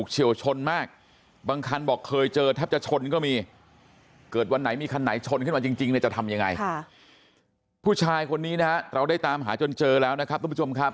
ชนขึ้นมาจริงจะทำยังไงผู้ชายคนนี้นะฮะเราได้ตามหาจนเจอแล้วนะครับทุกผู้ชมครับ